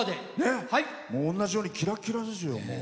同じようにキラキラですよ。